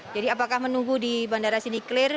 jadi apakah menunggu di bandara sini clear